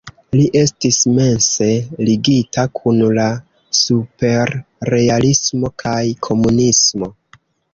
Li estis mense ligita kun la superrealismo kaj komunismo.